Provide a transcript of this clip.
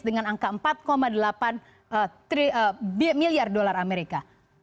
dengan angka empat delapan miliar dolar amerika